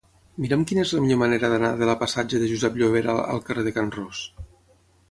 Mira'm quina és la millor manera d'anar de la passatge de Josep Llovera al carrer de Can Ros.